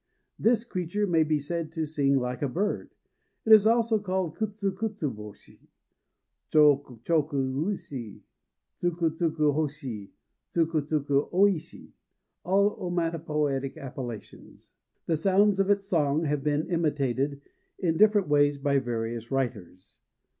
This creature may be said to sing like a bird. It is also called kutsu kutsu bôshi, chôko chôko uisu, tsuku tsuku hôshi, tsuku tsuku oîshi, all onomatopoetic appellations. The sounds of its song have been imitated in different ways by various writers.